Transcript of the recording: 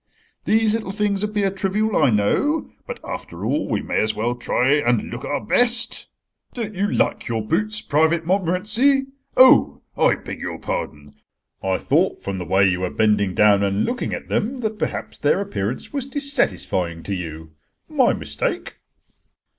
These little things appear trivial, I know, but, after all, we may as well try and look our best— "Don't you like your boots, Private Montmorency? Oh, I beg your pardon. I thought from the way you were bending down and looking at them that perhaps their appearance was dissatisfying to you. My mistake.